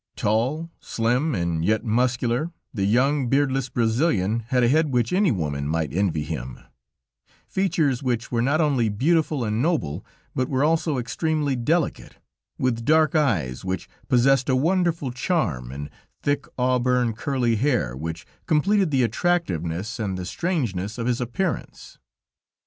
Tall, slim, and yet muscular, the young, beardless Brazilian had a head which any woman might envy him; features which were not only beautiful and noble, but were also extremely delicate, with dark eyes which possessed a wonderful charm, and thick, auburn curly hair, which completed the attractiveness and the strangeness of his appearance.